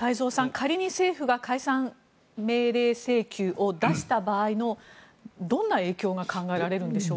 仮に政府が解散命令請求を出した場合のどんな影響が考えられるんでしょうか。